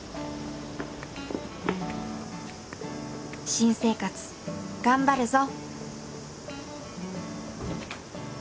新生活頑張るぞ！